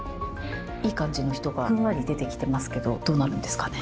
いい感じの人がふんわり出てきてますけどどうなるんですかね。